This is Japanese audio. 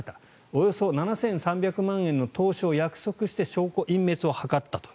およそ７３００万円の投資を約束して証拠隠滅を図ったと。